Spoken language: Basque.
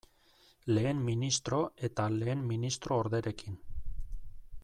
Lehen ministro eta lehen ministro orderekin.